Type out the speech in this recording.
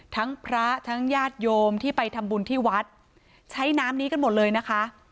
ทั้งพระทั้งญาติโยมที่ไปทำบุญที่วัดใช้น้ำนี้กันหมดเลยนะคะ